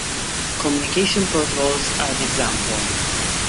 Communications protocols are an example.